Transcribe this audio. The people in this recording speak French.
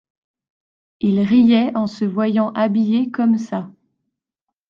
Il riait en se voyant habillé comme ça.